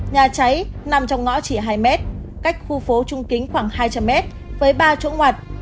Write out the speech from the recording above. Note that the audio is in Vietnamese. nhà cháy nằm trong ngõ chỉ hai mét cách khu phố trung kính khoảng hai trăm linh mét với ba chỗ ngoạt